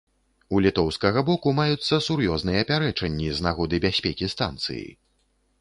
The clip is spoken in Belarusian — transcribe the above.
У літоўскага боку маюцца сур'ёзныя пярэчанні з нагоды бяспекі станцыі.